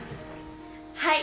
はい